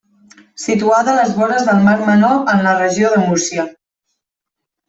Situada a les vores del Mar Menor en la Regió de Múrcia.